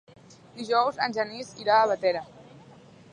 Dijous en Genís irà a Bétera.